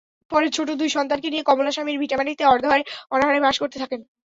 পরে ছোট দুই সন্তানকে নিয়ে কমলা স্বামীর ভিটামাটিতে অর্ধাহারে-অনাহারে বাস করতে থাকেন।